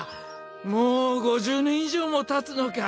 もう５０年以上もたつのか。